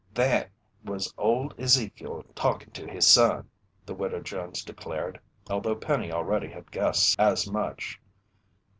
"Thet was old Ezekiel talkin' to his son," the Widow Jones declared, although Penny already had guessed as much.